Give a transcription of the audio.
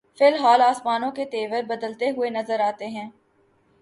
فی الحال آسمانوں کے تیور بدلے ہوئے نظر آتے ہیں۔